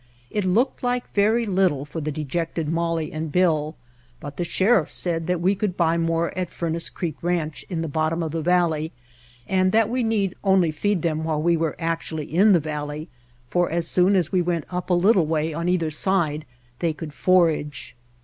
It looked like very little for the dejected Molly and Bill, but the Sheriff said that we could buy more at Furnace Creek Ranch in the bottom of the valley, and that we need only feed them while we were actually in the valley, for as soon as we went up a little way on either side they could forage.